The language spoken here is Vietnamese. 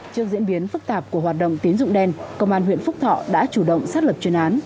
trước diễn biến phức tạp của hoạt động tín dụng đen công an huyện phúc thọ đã chủ động xác lập chuyên án